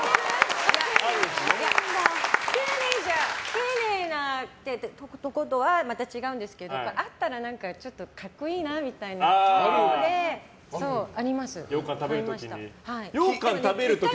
丁寧なってこととはまた違うんですけどあったらちょっと格好いいなみたいなのでようかん食べる時に？